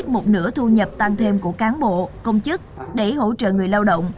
một nửa thu nhập tăng thêm của cán bộ công chức để hỗ trợ người lao động